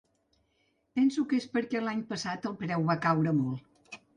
Penso que és perquè l’any passat el preu va caure molt.